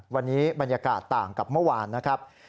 วันนี้บรรยากาศต่างกับเมื่อวานนะครับ